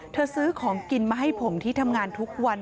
ซื้อของกินมาให้ผมที่ทำงานทุกวัน